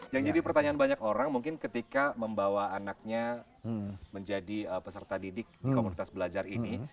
yang jadi pertanyaan banyak orang mungkin ketika membawa anaknya menjadi peserta didik di komunitas belajar ini